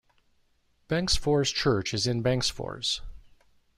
Bengtsfors Church is in Bengtsfors.